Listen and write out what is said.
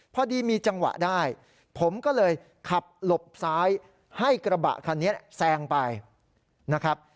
พอดีมีจังหวะได้ผมก็เลยขับหลบซ้ายให้กระบะคันนี้แซงไปนะครับ